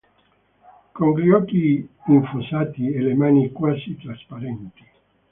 Con gli occhi infossati e le mani quasi trasparenti.